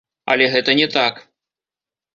Але гэта не так!